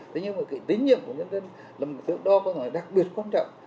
thế nhưng mà cái tín nhiệm của nhân dân là một thứ đó có lẽ đặc biệt quan trọng